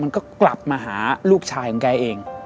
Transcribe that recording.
มันก็กลับมาหาลูกชายของแกเอง